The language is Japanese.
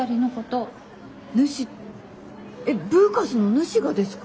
えっブーカスのヌシがですか？